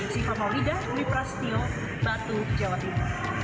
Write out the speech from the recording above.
si fomolida wiprastio batu jawa ibu